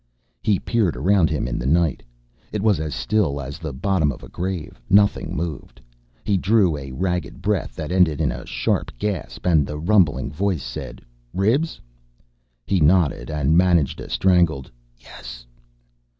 He peered around him in the night. It was as still as the bottom of a grave. Nothing moved. He drew a ragged breath that ended in a sharp gasp, and the rumbling voice said: "Ribs?" He nodded and managed a strangled "Yes."